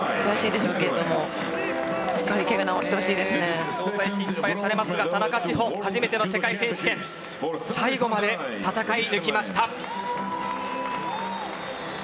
状態が心配されますが田中志歩、初めての世界選手権最後まで戦い抜きました。